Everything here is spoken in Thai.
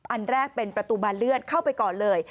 อันแรกเป็นประตูบานเลือดเข้าไปก่อนเลย